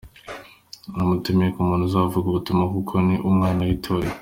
Namutumiye nk’umuntu uzavuga ubutumwa kuko ni umwana w’itorero.